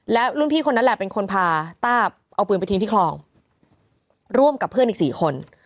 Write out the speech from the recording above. และรุ่นพี่คนนั้นแหละเป็นคนพาต้าเอาปืนไปทิ้งที่คลองร่วมกับเพื่อนอีก๔คน